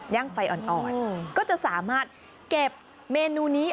ไฟอ่อนก็จะสามารถเก็บเมนูนี้